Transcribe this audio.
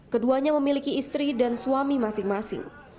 keduanya memiliki istri dan suami masing masing